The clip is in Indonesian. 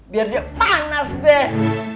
biar dia panas deh